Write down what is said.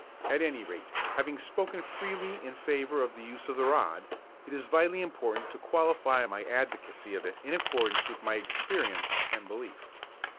At any rate, having spoken freely in favour of the use of the rod, it is vitally important to qualify my advocacy of it in accordance with my experience and belief.